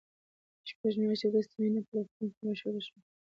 شپږ میاشتې وروسته مینه په روغتون کې مشهوره شوه